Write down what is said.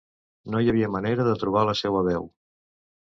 No hi havia manera de trobar la seua veu.